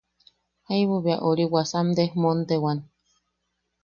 Jaibu bea ori wasam desmontewan.